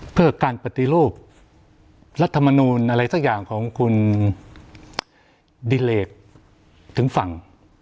เพื่อการปฏิรูปรัฐมนูลอะไรสักอย่างของคุณดิเลกถึงฝั่ง